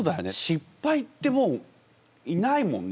失敗ってもういないもんね